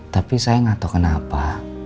tapi saya nggak tahu kenapa